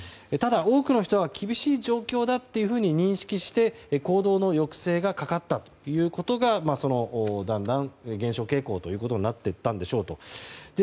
ただ、多くの人が厳しい状況だと認識して行動の抑制がかかったということがだんだん減少傾向ということになっていったんでしょうと。